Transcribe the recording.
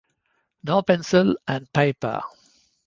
No pencil and paper.